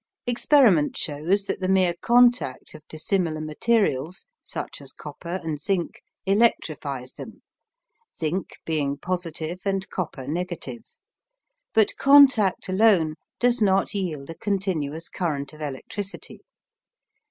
Experiment shows that the mere CONTACT of dissimilar materials, such as copper and zinc, electrifies them zinc being positive and copper negative; but contact alone does not yield a continuous current of electricity.